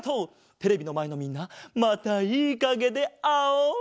テレビのまえのみんなまたいいかげであおう！